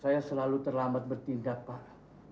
saya selalu terlambat bertindak pak